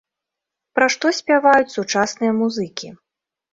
Пра што спяваюць сучасныя музыкі?